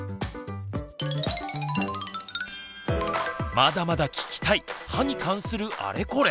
まだまだ聞きたい歯に関するあれこれ！